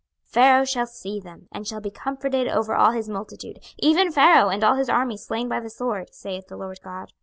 26:032:031 Pharaoh shall see them, and shall be comforted over all his multitude, even Pharaoh and all his army slain by the sword, saith the Lord GOD.